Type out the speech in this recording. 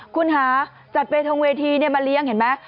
คุณหาจัดเฟย์ทางเวทีเนี่ยมาเลี้ยงเห็นไหม